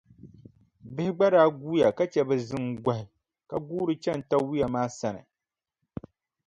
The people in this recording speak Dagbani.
Bihi gba daa guuya ka che bɛ ziŋgɔhi ka guuri chani Tawia maa sani.